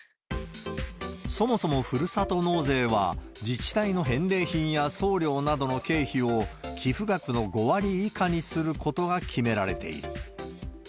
そもそも、ふるさと納税は、自治体の返礼品や送料などの経費を寄付額の５割以下にすることが決められている。